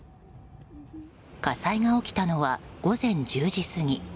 火災が起きたのは午前１０時過ぎ。